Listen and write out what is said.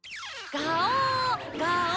がお！